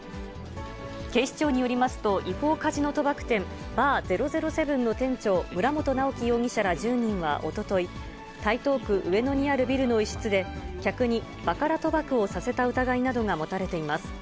警視庁によりますと、違法カジノ賭博店、ＢＡＲ００７の店長、村本直樹容疑者ら１０人はおととい、台東区上野にあるビルの一室で、客にバカラ賭博をさせた疑いなどが持たれています。